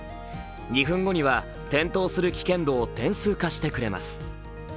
２分後には転倒する危険度を点数化してくれます。